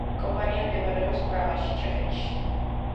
კომპანია მდებარეობს პრაღაში, ჩეხეთში.